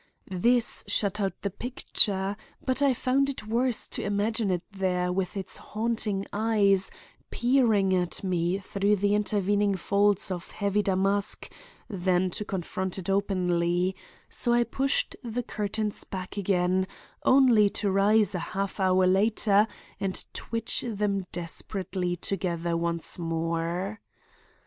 This shut out the picture; but I found it worse to imagine it there with its haunting eyes peering at me through the intervening folds of heavy damask than to confront it openly; so I pushed the curtains back again, only to rise a half hour later and twitch them desperately together once more.